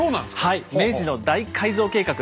はい明治の大改造計画。